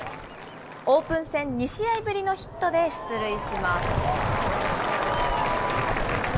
オープン戦２試合ぶりのヒットで出塁します。